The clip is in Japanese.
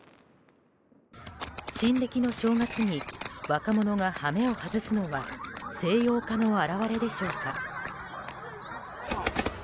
新暦の正月に若者が羽目を外すのは西洋化の表れでしょうか。